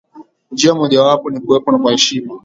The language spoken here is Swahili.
Njia mojawapo ni kuwepo kwa heshima